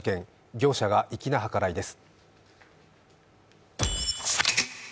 業者が粋な計らいです。